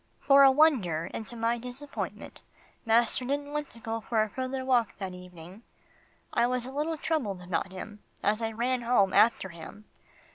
For a wonder, and to my disappointment, master didn't want to go for a further walk that evening. I was a little troubled about him, as I ran home after him.